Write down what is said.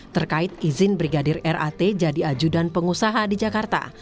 terkait izin brigadir rat jadi ajudan pengusaha di jakarta